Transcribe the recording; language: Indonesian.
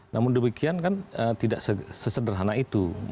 namun demikian kan tidak sesederhana itu